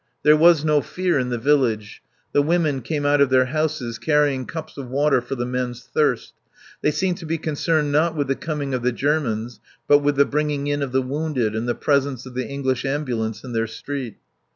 There was no fear in the village. The women came out of their houses carrying cups of water for the men's thirst; they seemed to be concerned, not with the coming of the Germans, but with the bringing in of the wounded and the presence of the English ambulance in their street.